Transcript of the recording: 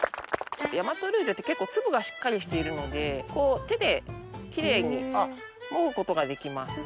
大和ルージュって結構粒がしっかりしているのでこう手でキレイにもぐことができます。